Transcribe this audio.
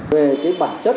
về cái bản chất